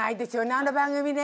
あの番組ね。